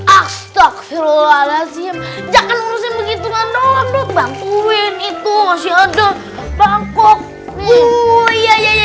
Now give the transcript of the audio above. astaghfirullahaladzim jangan musim begitu ngandok bangkuin itu masih ada bangkok uh iya iya iya